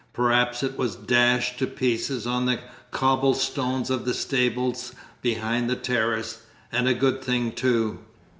Perhaps it was dashed to pieces on the cobble stones of the stables behind the terrace, and a good thing too.